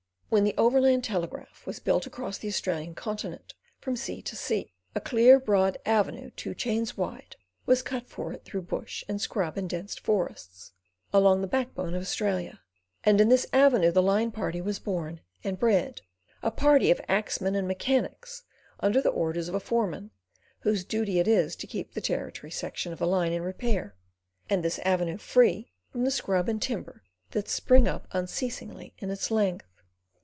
When the "Overland Telegraph" was built across the Australian continent from sea to sea, a clear broad avenue two chains wide, was cut for it through bush and scrub and dense forests, along the backbone of Australia, and in this avenue the line party was "born" and bred—a party of axemen and mechanics under the orders of a foreman, whose duty it is to keep the "Territory section" of the line in repair, and this avenue free from the scrub and timber that spring up unceasingly in its length.